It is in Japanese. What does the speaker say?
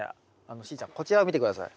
しーちゃんこちらを見て下さい。